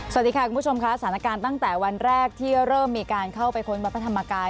สวัสดีค่ะคุณผู้ชมค่ะสถานการณ์ตั้งแต่วันแรกที่เริ่มมีการเข้าไปค้นวัดพระธรรมกาย